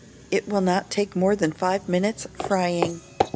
It will not take more than five minutes frying.